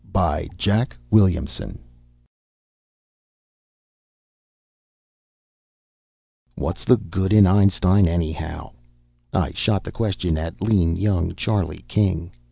] "What's the good in Einstein, anyhow?" I shot the question at lean young Charlie King.